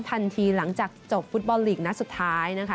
ทันทีหลังจากจบฟุตบอลลีกนัดสุดท้ายนะคะ